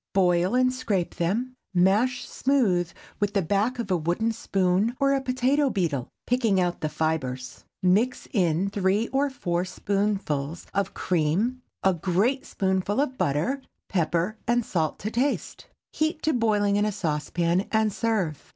Boil and scrape them, mash smooth with the back of a wooden spoon, or a potato beetle, picking out the fibres; mix in three or four spoonfuls of cream, a great spoonful of butter, pepper and salt to taste. Heat to boiling in a saucepan, and serve.